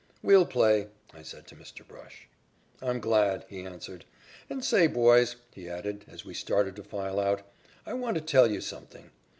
"We'll play," I said to Mr. Brush. "I'm glad," he answered. "And, say, boys," he added, as we started to file out, "I want to tell you something.